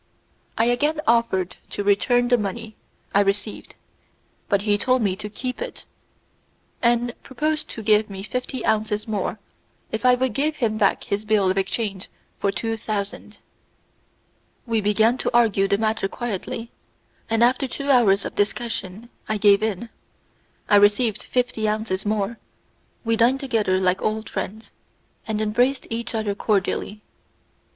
I again offered to return the money I received, but he told me to keep it, and proposed to give me fifty ounces more if I would give him back his bill of exchange for two thousand. We began to argue the matter quietly, and after two hours of discussion I gave in. I received fifty ounces more, we dined together like old friends, and embraced each other cordially.